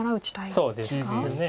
そうですね。